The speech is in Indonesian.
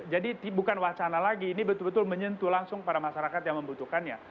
jadi bukan wacana lagi ini betul betul menyentuh langsung para masyarakat yang membutuhkannya